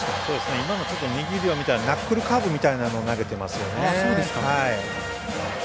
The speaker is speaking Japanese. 今の握りを見たらナックルカーブみたいなのを投げてますね。